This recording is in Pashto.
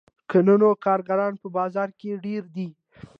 که نه نو کارګران په بازار کې ډېر دي